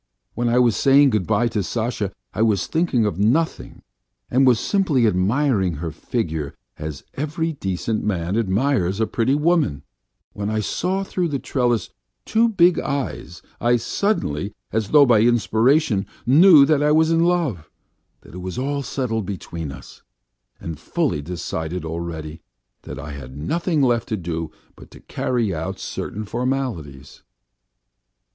When I was saying good bye to Sasha I was thinking of nothing and was simply admiring her figure as every decent man admires a pretty woman; when I saw through the trellis two big eyes, I suddenly, as though by inspiration, knew that I was in love, that it was all settled between us, and fully decided already, that I had nothing left to do but to carry out certain formalities.